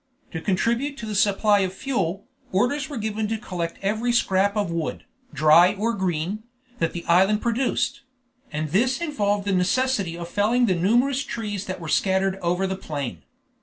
To contribute to the supply of fuel, orders were given to collect every scrap of wood, dry or green, that the island produced; and this involved the necessity of felling the numerous trees that were scattered over the plain.